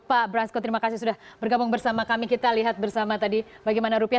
pak brasco terima kasih sudah bergabung bersama kami kita lihat bersama tadi bagaimana rupiah